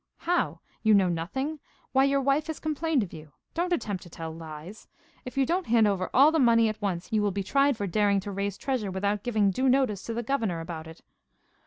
'How? You know nothing? Why your wife has complained of you. Don't attempt to tell lies. If you don't hand over all the money at once you will be tried for daring to raise treasure without giving due notice to the governor about it.